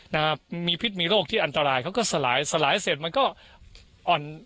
นะครับมีพิษมีโรคที่อันตรายเขาก็สลายสลายเสร็จมันก็อ่อน